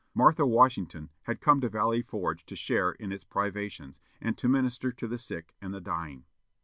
Martha Washington had come to Valley Forge to share in its privations, and to minister to the sick and the dying.